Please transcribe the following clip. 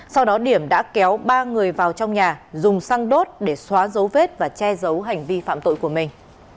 sau đó điểm đã kéo ba người vào trong nhà dùng xăng đốt để xóa dấu vết và che giấu hành vi phạm tội của mình